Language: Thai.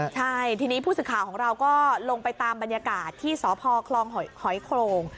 ใช่ทีนี้ผู้สื่อข่าวของเราก็ลงไปตามบรรยากาศที่สพคลองหอยโครง